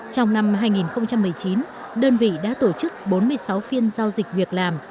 trong năm hai nghìn một mươi chín đơn vị đã tổ chức bốn mươi sáu phiên giao dịch việc làm